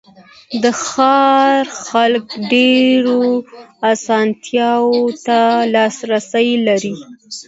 د ښار خلک ډېرو آسانتیاوو ته لاسرسی لري.